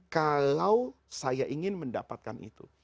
kalau saya ingin mendapatkan itu